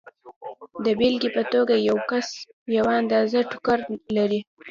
د بېلګې په توګه یو کس یوه اندازه ټوکر لري